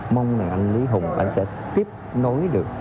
mong là anh lý hùng sẽ tiếp nối được